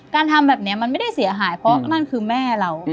ทำแบบนี้มันไม่ได้เสียหายเพราะนั่นคือแม่เรา